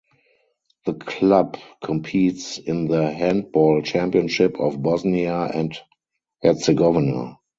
The club competes in the Handball Championship of Bosnia and Herzegovina.